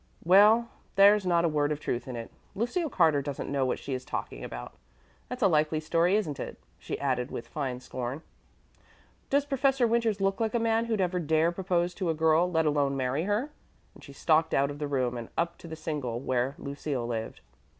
Well, there's not a word of truth in it. Lucille Carter doesn't know what she is talking about. That's a likely story, isn't it?" she added with fine scorn. "Does Professor Winters look like a man who'd ever dare propose to a girl, let alone marry her?" And she stalked out of the room and up to the single where Lucille lived.